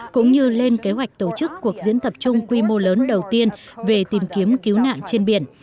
cũng như lên kế hoạch tổ chức cuộc diễn tập chung quy mô lớn đầu tiên về tìm kiếm cứu nạn trên biển